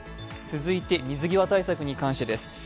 続いて水際対策についてです。